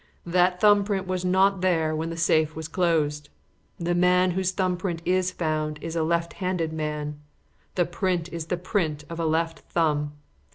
That thumb print was not there when the safe was closed. The man whose thumb print is found is a left handed man; the print is the print of a left thumb.